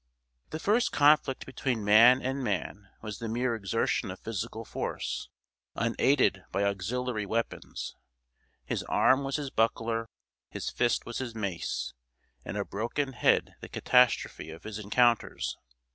The first conflict between man and man was the mere exertion of physical force, unaided by auxiliary weapons his arm was his buckler, his fist was his mace, and a broken head the catastrophe of his encounters.